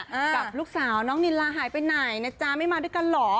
กับลูกสาวน้องนิลาหายไปไหนนะจ๊ะไม่มาด้วยกันเหรอ